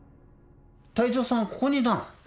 隊長さんはここにいたの。